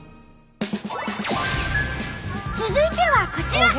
続いてはこちら。